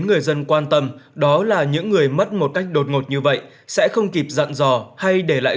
người dân quan tâm đó là những người mất một cách đột ngột như vậy sẽ không kịp dặn dò hay để lại